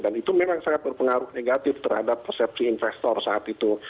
dan itu memang sangat berpengaruh negatif terhadap persepsi investor saat itu